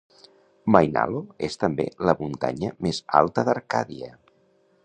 Mainalo és també la muntanya més alta d'Arcàdia.